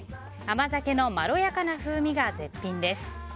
甘酒のまろやかな風味が絶品です。